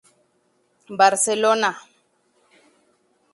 Barcelona "B".